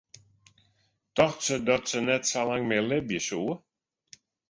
Tocht se dat se net lang mear libje soe?